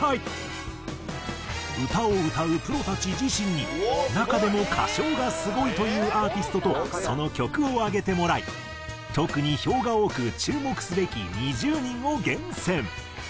歌を歌うプロたち自身に中でも歌唱がスゴいというアーティストとその曲を挙げてもらい特に票が多く注目すべき２０人を厳選。